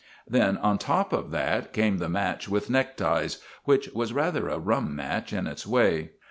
Then, on top of that, came the match with neckties, which was rather a rum match in its way.